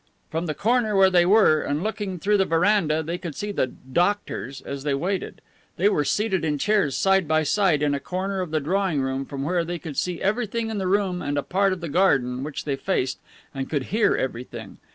From the corner where they were, and looking through the veranda, they could see the "doctors" as they waited. They were seated in chairs side by side, in a corner of the drawing room from where they could see every thing in the room and a part of the garden, which they faced, and could hear everything.